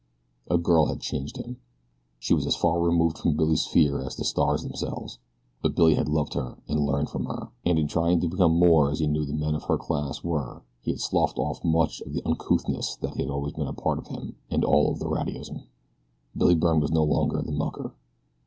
A girl had changed him. She was as far removed from Billy's sphere as the stars themselves; but Billy had loved her and learned from her, and in trying to become more as he knew the men of her class were he had sloughed off much of the uncouthness that had always been a part of him, and all of the rowdyism. Billy Byrne was no longer the mucker.